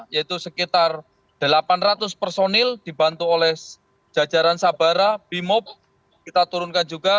yaitu sekitar delapan ratus personil dibantu oleh jajaran sabara bimob kita turunkan juga